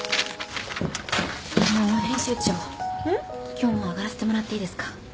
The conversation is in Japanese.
今日もう上がらせてもらっていいですか？